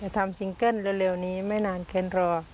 ทำซิงเกิ้ลเร็วนี้ไม่นานคนรอ